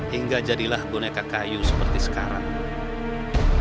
hingga jadilah boneka kayu seperti sekarang